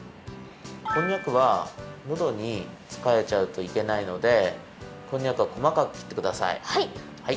こんにゃくはのどにつかえちゃうといけないのでこんにゃくはこまかくきってください。